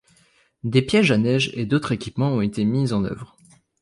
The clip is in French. Des pièges à neige et d'autres équipements ont été mis en œuvre.